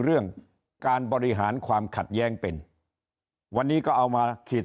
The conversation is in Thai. เรื่องการบริหารความขัดแย้งเป็นวันนี้ก็เอามาขีด